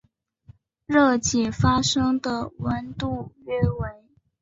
热解发生的温度约为。